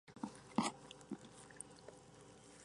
Vence Ramalho Eanes, uno de los oficiales del Grupo de los Nueve.